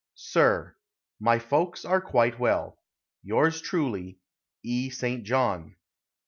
Sir: My folks are quite well. Yours truly, E. ST. JOHN.